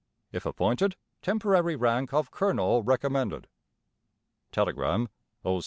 If appointed, temporary rank of Colonel recommended. Telegram: O.